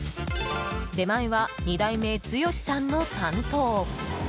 出前は２代目、剛さんの担当。